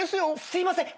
すいません。